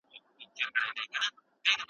پر ډوډۍ یې زهر وپاشل په ښار کي